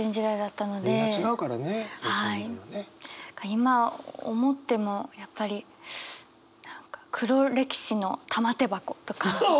今思ってもやっぱり「黒歴史の玉手箱」とか。